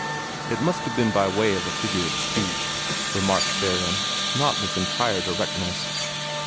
"It must have been by way of a figure of speech," remarked Theron, not with entire directness.